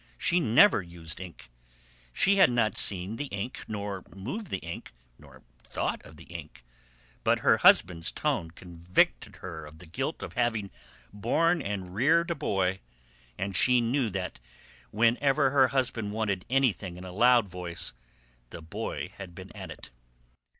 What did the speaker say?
She never used ink. She had not seen the ink, nor moved the ink, nor thought of the ink, but her husband's tone convicted her of the guilt of having borne and reared a boy, and she knew that whenever her husband wanted anything in a loud voice the boy had been at it.